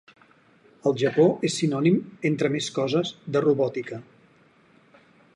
El Japó és sinònim, entre més coses, de robòtica.